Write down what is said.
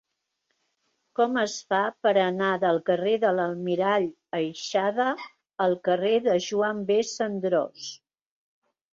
Com es fa per anar del carrer de l'Almirall Aixada al carrer de Joan B. Cendrós?